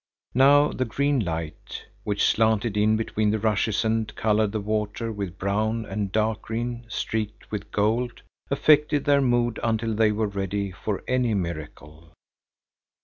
Now the green light, which slanted in between the rushes and colored the water with brown and dark green streaked with gold, affected their mood until they were ready for any miracle.